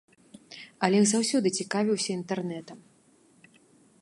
Алег заўсёды цікавіўся інтэрнэтам.